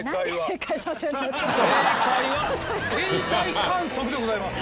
正解は天体観測でございます。